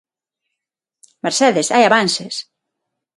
Mercedes, hai avances...